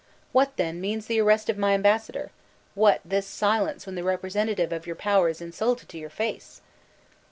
What, then, means the arrest of my embassador? what this silence when the representative of your power is insulted to your face?